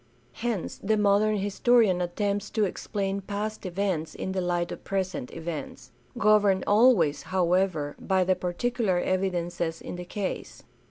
Hence the modern historian attempts to explain past events in the light of present events, governed always, however, by the particular evidences in the case.